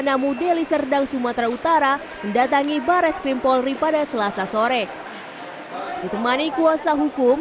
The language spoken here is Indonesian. namu deli serdang sumatera utara mendatangi bares krim polri pada selasa sore ditemani kuasa hukum